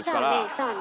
そうね。